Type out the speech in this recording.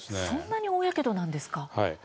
そんなに大やけどなんですか。